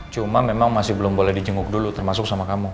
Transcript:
cuma memang masih belum boleh dijenguk dulu termasuk sama kamu